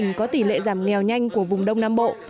nghèo nhanh của vùng đông nam bộ